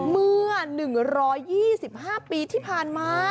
เมื่อ๑๒๕ปีที่ผ่านมา